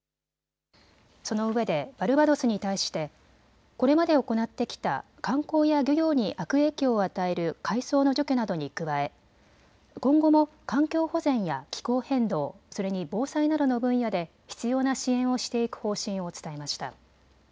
そのうえでバルバドスに対してこれまで行ってきた観光や漁業に悪影響を与える海藻の除去などに加え今後も環境保全や気候変動、それに防災などの分野で必要な支援をしていく方針を伝えました。